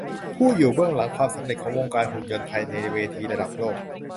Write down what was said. ผู้อยู่เบื้องหลังความสำเร็จของวงการหุ่นยนต์ไทยในเวทีระดับโลก